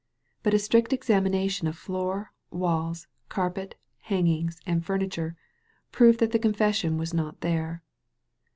But a strict examination of floor, walls, carpet, hangings, and furniture proved that the confession was not there.